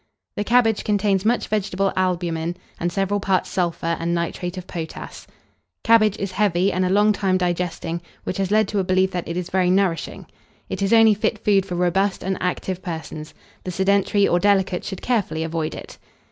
The cabbage contains much vegetable albumen, and several parts sulphur and nitrate of potass. Cabbage is heavy, and a long time digesting, which has led to a belief that it is very nourishing. It is only fit food for robust and active persons; the sedentary or delicate should carefully avoid it.